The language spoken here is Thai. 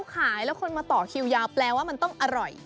ขายแล้วคนมาต่อคิวยาวแปลว่ามันต้องอร่อย